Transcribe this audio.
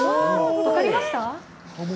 分かりました？